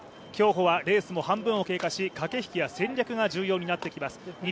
競歩はレースも半分を経過し駆け引きや戦略が重要になってきます。